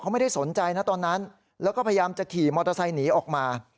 ไม่ได้สนใจนะตอนนั้นแล้วก็พยายามจะขี่มอเตอร์ไซค์หนีออกมา